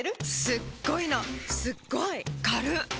すっごいのすっごいかるっ